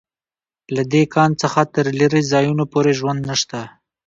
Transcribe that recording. له دې کان څخه تر لېرې ځایونو پورې ژوند نشته